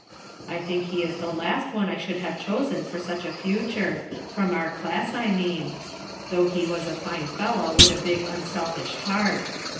"I think he is the last one I should have chosen for Euc h a future; from our class, I mean. Though he was a fine fellow with a big unselfish heart.